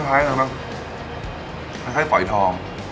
ไม่คล้ายอย่างทอง